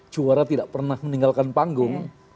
juara tidak pernah meninggalkan panggung